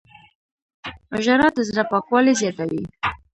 • ژړا د زړه پاکوالی زیاتوي.